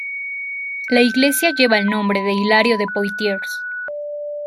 La iglesia lleva el nombre de Hilario de Poitiers.